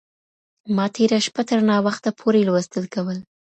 ما تېره شپه تر ناوخته پوري لوستل کول.